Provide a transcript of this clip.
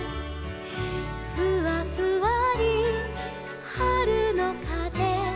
「ふわふわりはるのかぜ」